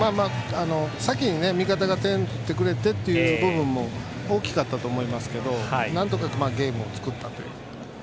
先に味方が点を取ってくれてという部分も大きかったと思いますけどなんとかゲームを作ったと。